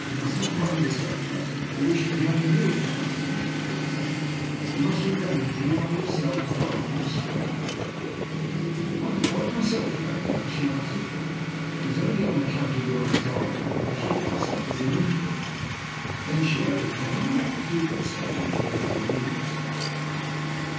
You must not worry yourself about it, or we shall be having you upon our hands before long. You must remember that you are yourself far from strong." "I am quite myself again now," she answered. "It is only on account of your anxiety that I treat myself as an invalid." Then she added, "I wonder what the Duke will say when he hears the news?"